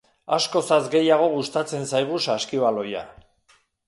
Askozaz ere gehiago gustatzen zaigu saskibaloia.